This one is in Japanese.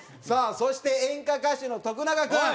さあそして演歌歌手の徳永君。